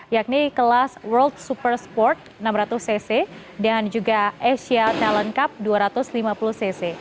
yakni kelas world super sport enam ratus cc dan juga asia talent cup dua ratus lima puluh cc